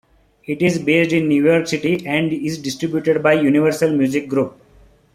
It is based in New York City and is distributed by Universal Music Group.